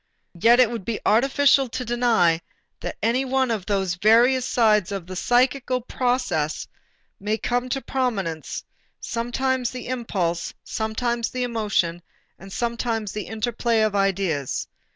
Yet it would be artificial to deny that any one of those various sides of the psychical process may come to prominence, sometimes the impulse, sometimes the emotion, and sometimes the interplay of ideas.